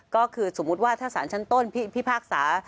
ก็คือสมมุติว่าถ้าสารชั้นต้นพิพากษา